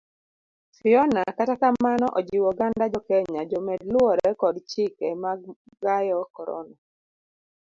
Fiona kata kamano ojiwo oganda jokenya jomed luwore kod chike mag gayo corona.